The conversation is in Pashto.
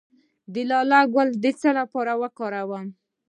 د لاله ګل د څه لپاره وکاروم؟